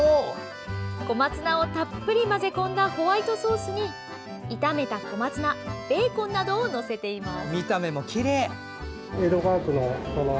小松菜をたっぷり混ぜ込んだホワイトソースに炒めた小松菜、ベーコンなどを載せています。